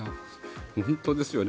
本当ですよね。